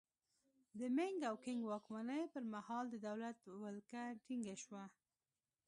د مینګ او کینګ واکمنۍ پرمهال د دولت ولکه ټینګه شوه.